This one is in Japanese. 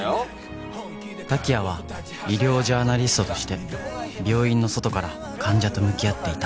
滝谷は医療ジャーナリストとして病院の外から患者と向き合っていた